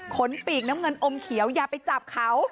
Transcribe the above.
ปีกน้ำเงินอมเขียวอย่าไปจับเขา